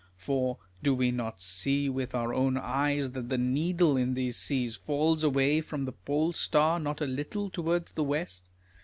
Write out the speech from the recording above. For do we not see with our own eyes that the needle in these seas falls away from the Pole Star not a little towards the west